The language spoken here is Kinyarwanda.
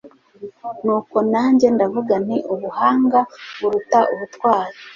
nuko nanjye ndavuga nti ubuhanga buruta ubutwari